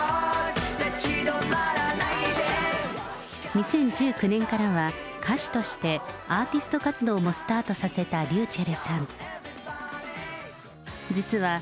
２０１９年からは、歌手としてアーティスト活動もスタートさせたｒｙｕｃｈｅｌｌさん。